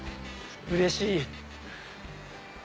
うれしい。